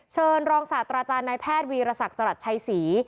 เชิญรองศาสตราจารย์นายแพทย์วีรศักดิ์จรัสชัยศรี